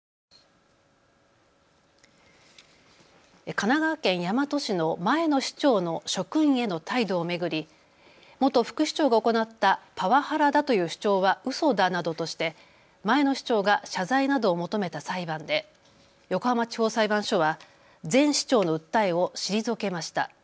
神奈川県大和市の前の市長の職員への態度を巡り、元副市長が行ったパワハラだという主張はうそだなどとして前の市長が謝罪などを求めた裁判で横浜地方裁判所は前市長の訴えを退けました。